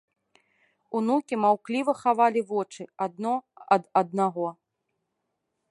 Унукі маўкліва хавалі вочы адно ад аднаго.